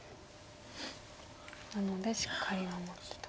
なのでしっかり守ってと。